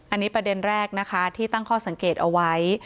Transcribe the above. อันนี้ประเด็นแรกนะคะที่ตั้งข้อสังเกตเอาไว้